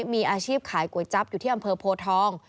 มีอาชีพขายก๋วยจั๊บอยู่ที่อำเภอโพทอง